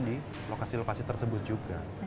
di lokasi lokasi tersebut juga